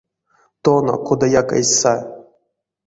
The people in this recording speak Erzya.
Тона кодаяк эзь са.